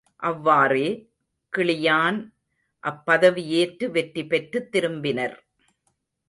அவ்வாறே, கிளியான் அப்பதவியேற்று வெற்றி பெற்றுத் திரும்பினர்.